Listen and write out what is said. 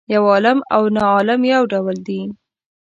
یو عالم او ناعالم یو ډول دي.